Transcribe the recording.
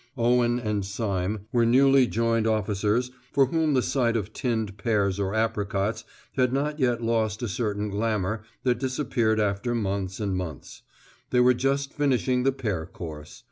Owen and Syme were newly joined officers for whom the sight of tinned pears or apricots had not yet lost a certain glamour that disappeared after months and months. They were just finishing the pear course.